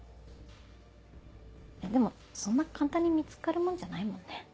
でもそんな簡単に見つかるもんじゃないもんね。